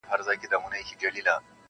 په بل کلي کي د دې سړي یو یار وو-